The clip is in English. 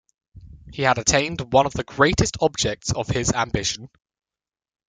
He had attained one of the greatest objects of his ambition.